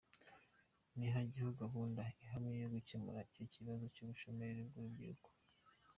Nihajyeho gahunda ihamye yo gukemura icyo kibazo cy’ubushomeri bw’urubyiruko.